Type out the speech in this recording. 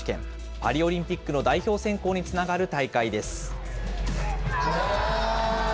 パリオリンピックの代表選考につながる大会です。